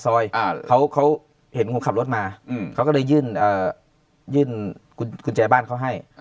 ซอยเขาเขาเห็นคนขับรถมาเขาก็ได้ยื่นยื่นกุญแจบ้านเขาให้